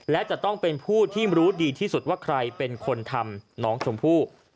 และจะต้องเป็นผู้ที่รู้ดีที่สุดว่าใครเป็นคนทำน้องชมพู่